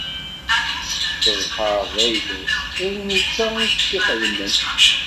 Lebḥer d ayla-s, d netta i t-ixedmen.